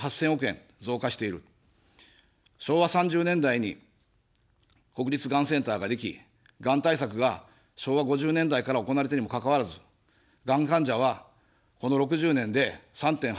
昭和３０年代に国立がんセンターができ、がん対策が昭和５０年代から行われたにもかかわらず、がん患者は、この６０年で３．８倍。